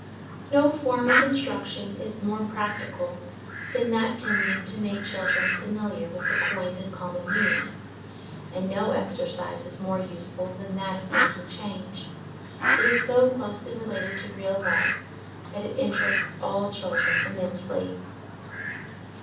No form of instruction is more practical than that tending to make children familiar with the coins in common use, and no exercise is more useful than that of making change. It is so closely related to daily life that it interests all children intensely.